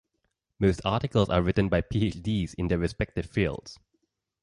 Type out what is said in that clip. Most articles are written by Ph.D.s in their respective fields.